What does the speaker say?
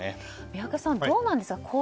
宮家さん、どうなんですか？